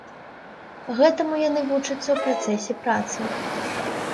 Гэтаму яны вучацца ў працэсе працы.